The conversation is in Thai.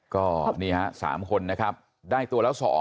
ก็นี่ฮะ๓คนนะครับได้ตัวแล้ว๒